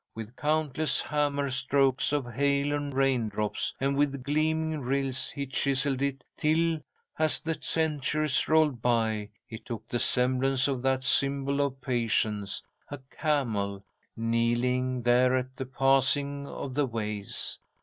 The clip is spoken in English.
With countless hammer strokes of hail and rain drops, and with gleaming rills he chiselled it, till, as the centuries rolled by, it took the semblance of that symbol of patience, a camel, kneeling there at the passing of the ways.